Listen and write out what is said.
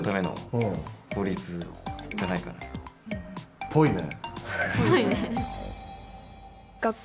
っぽいね。